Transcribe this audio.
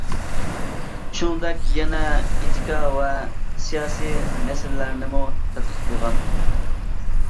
شۇنىڭدەك يەنە ئېتىكا ۋە سىياسىي مەسىلىلەرنىمۇ تەتقىق قىلغان.